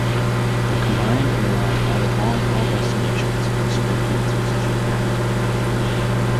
The combined airline added long haul destinations and strengthened its position in Africa.